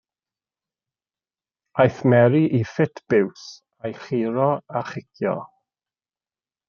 Aeth Mary i ffit biws a'i churo a chicio.